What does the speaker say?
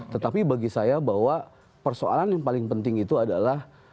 tetapi bagi saya bahwa persoalan yang paling penting itu adalah